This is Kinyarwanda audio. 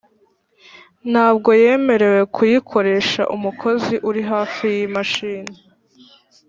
Ntabwo yemerewe kuyikoresha Umukozi uri hafi y imashini